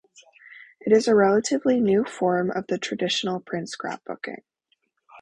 It is a relatively new form of the traditional print scrapbooking.